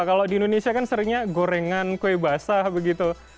kalau di indonesia kan seringnya gorengan kue basah begitu